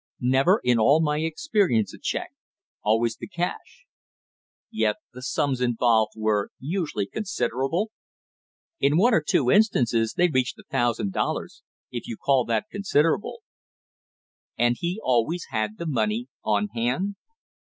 "Never in all my experience a check, always the cash." "Yet the sums involved were usually considerable?" "In one or two instances they reached a thousand dollars, if you call that considerable." "And he always had the money on hand?"